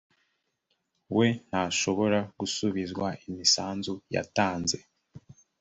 we ntasobora gusubizwa imisanzu yatanze